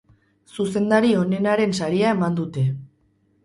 Zuzendari onenaren saria eman dute.